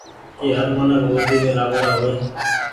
ڪي هر منک روزي مين لآگوڙآ هووي۔